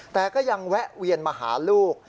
แต่ก็ยังแวะเวียนมาหาลูก